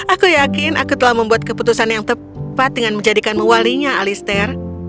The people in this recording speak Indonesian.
aku yakin aku telah membuat keputusan yang tepat dengan menjadikanmu walinya alistair